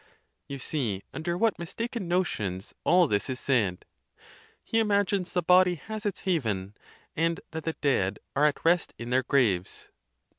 You see under what mistaken notions all this is said. He imagines. the body has its haven, and that the dead are at rest in their graves.